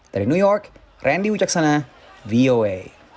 dari new york randy wicaksana voa